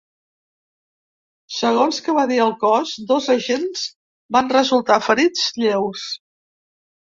Segons que va dir el cos, dos agents van resultar ferits lleus.